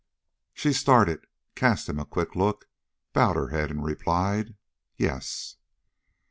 She started, cast him a quick look, bowed her head, and replied: "Yes."